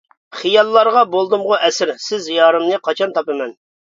خىياللارغا بولدۇمغۇ ئەسىر، سىز يارىمنى قاچان تاپىمەن.